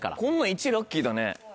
１ラッキーだね